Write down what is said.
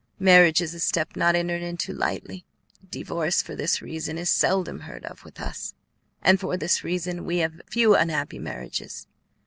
Marriage is a step not entered into lightly. Divorce, for this reason, is seldom heard of with us, and for this reason we have few unhappy marriages.